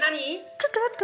ちょっと待って。